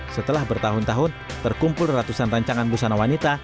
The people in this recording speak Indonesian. setelah bertahun tahun terkumpul ratusan rancangan busana wanita